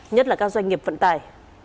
nhất là các doanh nghiệp vận tài